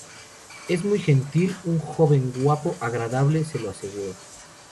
Es muy gentil, un joven guapo, agradable, se lo aseguro.